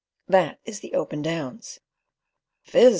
That is the Open Downs. "Fizz!"